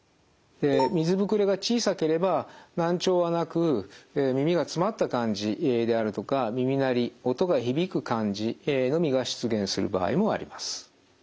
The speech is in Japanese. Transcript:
で水ぶくれが小さければ難聴はなく耳がつまった感じであるとか耳鳴り音が響く感じのみが出現する場合もあります。